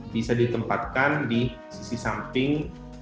bisa ditempatkan di sisi samping